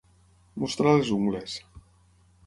Mostrar ses ungles.